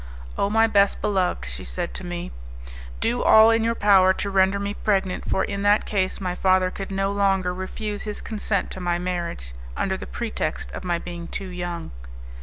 "Oh, my best beloved!" she said to me, "do all in your power to render me pregnant; for in that case my father could no longer refuse his consent to my marriage, under the pretext of my being too young."